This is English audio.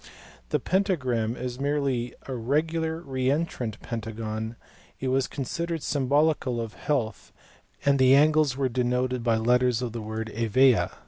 The pentagram is merely a regular re entrant pentagon; it was considered symbolical of health, and the angles were denoted by the letters of the word PYTHAGORAS.